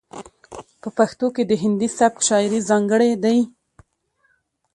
په پښتو کې د هندي سبک شاعرۍ ځاتګړنې دي.